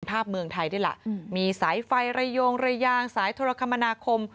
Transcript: ภาพเมืองไทยดีล่ะมีสายไฟระยงระยางสายธุรกรรมนาคม